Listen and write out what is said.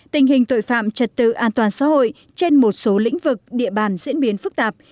tình hình tội phạm trật tự an toàn xã hội trên một số lĩnh vực địa bàn diễn biến phức tạp